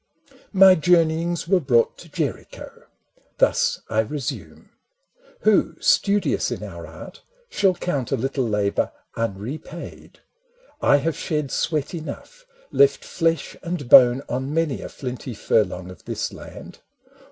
My journeyings were brought to Jericho : Thus I resume. Who studious in our art Shall count a little labour unrepaid? I have shed sweat enough, left flesh and bone On many a flinty furlong of this land.